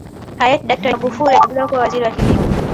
Hayati daktari Magufuli alichaguliwa kuwa Waziri wa kilimo